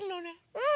うん。